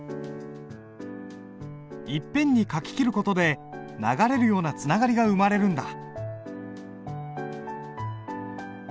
いっぺんに書ききる事で流れるようなつながりが生まれるんだ。